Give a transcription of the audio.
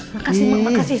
makasih mak makasih